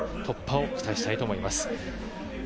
突破を期待したいと思います。